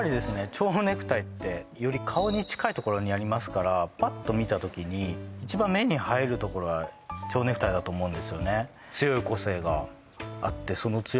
蝶ネクタイってより顔に近いところにありますからぱっと見た時に一番目に入るところが蝶ネクタイだと思うんですよね